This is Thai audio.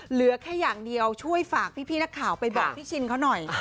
เหลือแค่อย่างเดียวช่วยฝากพี่นักข่าวไปบอกพี่ชินเขาหน่อย